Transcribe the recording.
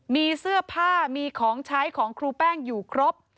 มีเสื้อผ้ามีของใช้ของครูแป้งอยู่ครบ